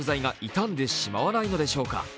傷んでしまわないのでしょうか。